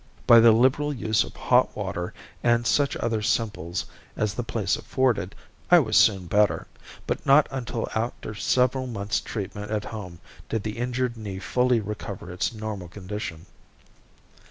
By the liberal use of hot water and such other simples as the place afforded I was soon better; but not until after several months' treatment at home did the injured knee fully recover its normal condition.